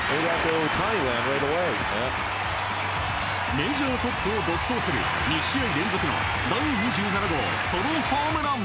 メジャートップを独走する２試合連続の第２７号ソロホームラン！